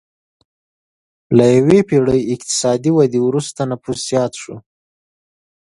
له یوې پېړۍ اقتصادي ودې وروسته نفوس زیات شو.